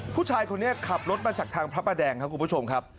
ผู้ชายคนนี้ขับรถมาจากทางพระประแดงครับคุณผู้ชมครับ